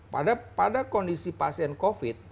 pada kondisi pasien covid